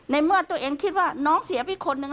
ในเมื่อตัวเองคิดว่าน้องเสียไปคนนึง